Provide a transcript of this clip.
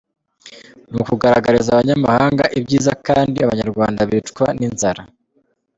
ni ukugaragariza abanyamahanga ibyiza kandi abanyarwanda bicwa n’inzara.